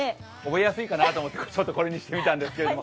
覚えやすいかなと思ってこれにしてみたんですけど。